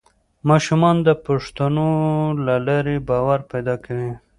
ماشومان د پوښتنو له لارې باور پیدا کوي